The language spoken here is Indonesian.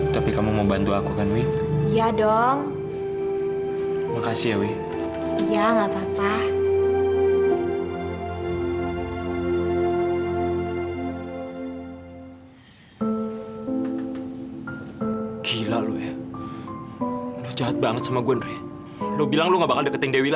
gimana caranya aku bisa melupakan kamu wi